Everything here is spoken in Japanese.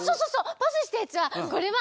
パスしたやつはこれはイルカ！